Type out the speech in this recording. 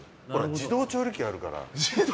自動調理機あるから。